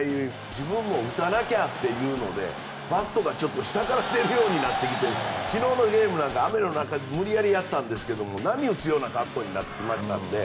自分も打たなきゃというのでバットが下から出てくるようになって昨日のゲームなんか雨の中、無理やりやったんですが波打つような格好になってきましたので。